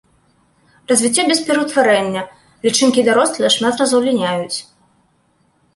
Развіццё без пераўтварэння, лічынкі і дарослыя шмат разоў ліняюць.